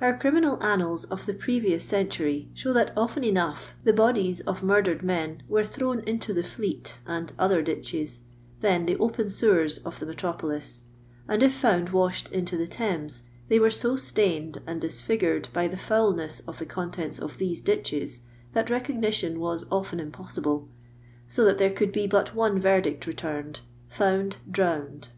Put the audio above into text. Our criminal annals of the previous century show tliat often enough the bodies of murdered men were thrown into the Fleet and other ditches, then the open sewers of the metropolis, and if found washed into the Thames, they were so stained and disfigured by the foulness of the con tents of these ditches, that recognition was often impossible, so that there could be but one verdict returned — "Found drowned."